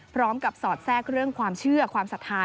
สอดแทรกเรื่องความเชื่อความศรัทธา